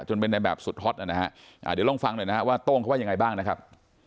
จนเป็นนายแบบสุดฮอตนะครับเดี๋ยวลองฟังด่ว่าต้องเขาว่ายังไงบ้างนะครับ